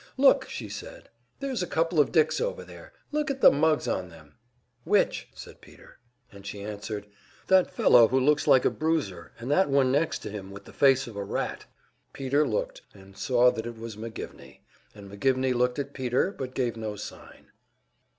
"Look," she said, "there's a couple of dicks over there. Look at the mugs on them!" "Which?" said Peter. And she answered: "That fellow that looks like a bruiser, and that one next to him, with the face of a rat." Peter looked, and saw that it was McGivney; and McGivney looked at Peter, but gave no sign.